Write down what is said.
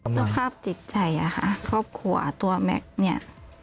สภาพจิตใจอะค่ะครอบครัวตัวแม็กซ์เนี่ย